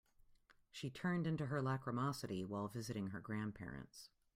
She turned into her lachrymosity while visiting her grandparents.